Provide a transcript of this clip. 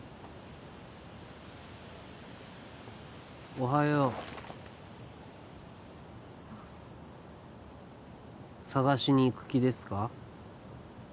おはようあっ捜しに行く気ですか？